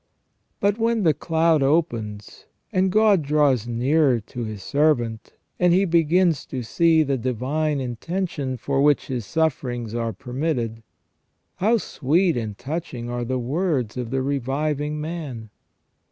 But when the cloud opens, and God draws nearer to His servant, and he begins to see the divine intention for which his sufferings are permitted, how sweet and touching are the words of the reviving man.